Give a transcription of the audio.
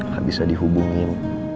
gak bisa dihubungin